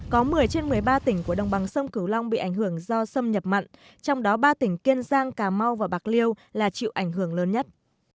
có một mươi trên một mươi ba tỉnh của đồng bằng sông cửu long bị ảnh hưởng do xâm nhập mặn trong đó ba tỉnh kiên giang cà mau và bạc liêu là chịu ảnh hưởng lớn nhất